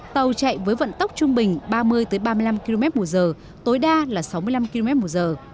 tàu chạy với vận tốc trung bình ba mươi ba mươi năm km một giờ tối đa là sáu mươi năm km một giờ